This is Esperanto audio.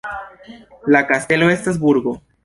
La kastelo estas burgo.